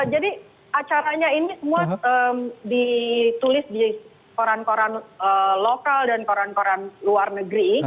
jadi acaranya ini semua ditulis di koran koran lokal dan koran koran luar negeri